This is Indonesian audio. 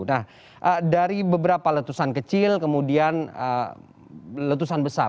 nah dari beberapa letusan kecil kemudian letusan besar